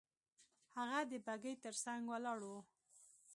هغه د بګۍ تر څنګ ولاړ وو.